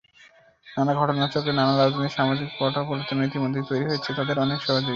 নানা ঘটনাচক্রে, নানা রাজনৈতিক, সামাজিক পটপরিবর্তনে ইতিমধ্যে তৈরি হয়েছে তাদের অনেক সহযোগীর।